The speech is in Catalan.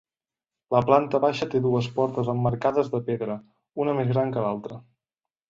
La planta baixa té dues portes emmarcades de pedra, una més gran que l'altra.